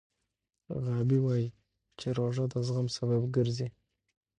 غابي وايي چې روژه د زغم سبب ګرځي.